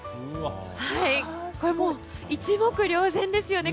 一目瞭然ですよね。